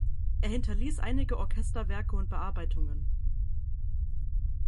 Er hinterließ einige Orchesterwerke und Bearbeitungen.